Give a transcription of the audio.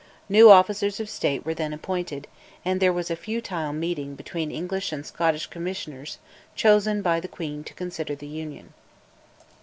New officers of State were then appointed, and there was a futile meeting between English and Scottish Commissioners chosen by the Queen to consider the Union.